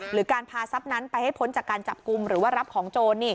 หรือการพาทรัพย์นั้นไปให้พ้นจากการจับกลุ่มหรือว่ารับของโจร